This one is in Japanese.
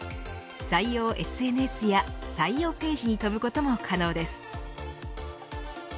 採用ＳＮＳや採用ページに飛ぶことも可能です。